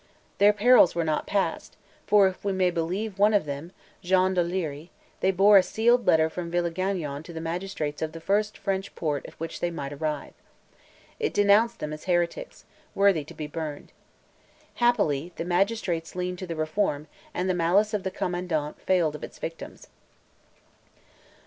Their perils were not past; for, if we may believe one of them, Jean de Lery, they bore a sealed letter from Villegagnon to the magistrates of the first French port at which they might arrive. It denounced them as heretics, worthy to be burned. Happily, the magistrates leaned to the Reform, and the malice of the commandant failed of its victims.